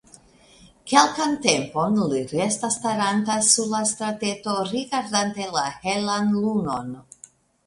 Kelkan tempon li restas staranta sur la strateto, rigardante la helan lunon.